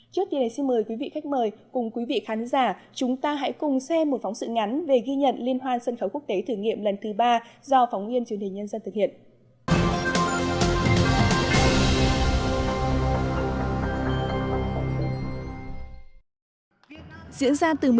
trước tiên xin mời quý vị khách mời cùng quý vị khán giả chúng ta hãy cùng xem một phóng sự ngắn về ghi nhận liên hoan sân khấu quốc tế thử nghiệm lần thứ ba do phóng viên truyền hình nhân dân thực hiện